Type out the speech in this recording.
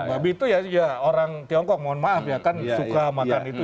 babi itu ya orang tiongkok mohon maaf ya kan suka makan itu